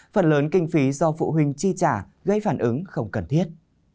phần lớn kinh phí do phụ huynh chi trả gây phản ứng không cần thiết